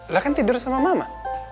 lah kan tidur sama mama